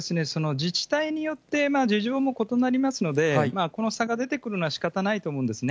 自治体によって事情も異なりますので、この差が出てくるのはしかたないと思うんですね。